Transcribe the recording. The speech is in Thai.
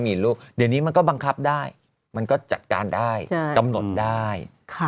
มีลูกเดี๋ยวนี้มันก็บังคับได้มันก็จัดการได้กำหนดได้